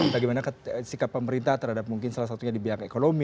bagaimana sikap pemerintah terhadap mungkin salah satunya di bidang ekonomi